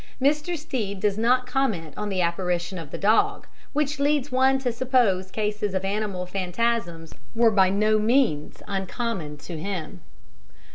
Mr. Stead does not comment on the apparition of the dog, which leads one to suppose cases of animal phantasms were by no means uncommon to him.